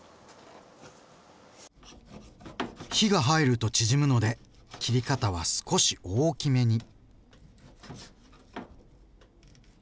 火が入ると縮むので切り方は少し大きめに。